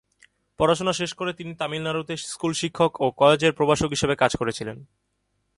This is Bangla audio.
পড়াশোনা শেষ করে তিনি তামিলনাড়ুতে স্কুল শিক্ষক এবং কলেজের প্রভাষক হিসাবে কাজ করেছিলেন।